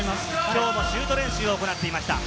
きょうはシュート練習を行っていました。